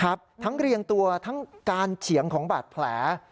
ทั้งเรียงตัวทั้งการเฉียงของบาดแผล